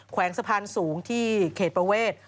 วงสะพานสูงที่เขตประเวท